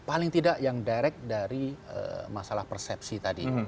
paling tidak yang direct dari masalah persepsi tadi